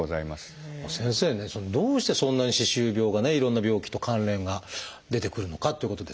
先生ねどうしてそんなに歯周病がねいろんな病気と関連が出てくるのかっていうことですが。